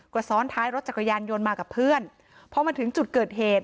ก็ซ้อนท้ายรถจักรยานยนต์มากับเพื่อนพอมาถึงจุดเกิดเหตุ